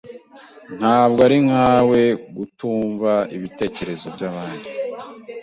Ntabwo ari nkawe kutumva ibitekerezo byabandi.